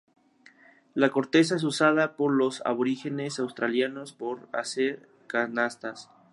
La corteza es usada por los aborígenes australianos para hacer canastas.